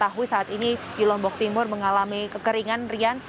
kita ketahui saat ini di lombok timur mengalami kekeringan rian